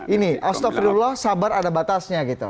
ini astaghfirullah sabar ada batasnya gitu